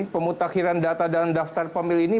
pemutakhiran data dalam daftar pemilu ini